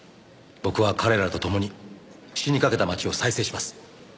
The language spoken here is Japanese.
僕は彼らと共に死にかけた町を再生します。